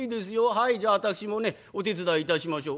はいじゃあ私もねお手伝いいたしましょう。